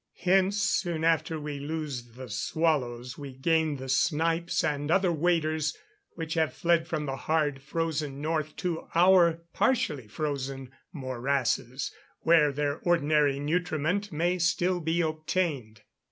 Hence, soon after, we lose the swallows, we gain the snipes and other waders, which have fled from the hard frozen north to our partially frozen morasses, where their ordinary nutriment may still be obtained.